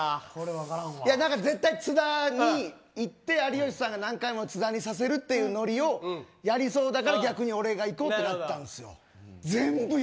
絶対、津田に言って有吉さんが何回も津田にさせるっていうノリをやりそうだから逆に俺がいこうってなったんですよ。